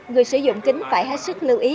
người sử dụng kính phải hết sức lưu ý